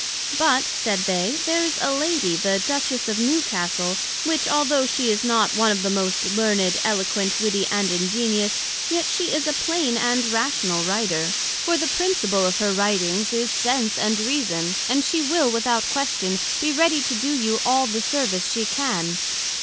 But, said they, there's a Lady, the Duchess of Newcastle; which although she is not one of the most learned, eloquent, witty and ingenious, yet she is a plain and rational Writer; for the principle of her Writings, is Sense and Reason, and she will without question, be ready to do you all the service she can.